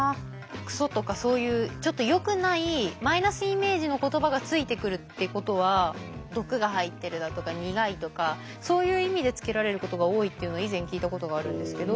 クソとかそういうちょっとよくないマイナスイメージの言葉がついてくるってことは毒が入ってるだとか苦いとかそういう意味でつけられることが多いっていうのは以前聞いたことがあるんですけど。